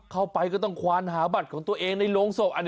เข้าไปก็ต้องควานหาบัตรของตัวเองในโรงศพ